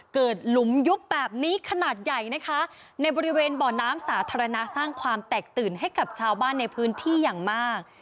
หลุมยุบแบบนี้ขนาดใหญ่นะคะในบริเวณบ่อน้ำสาธารณะสร้างความแตกตื่นให้กับชาวบ้านในพื้นที่อย่างมาก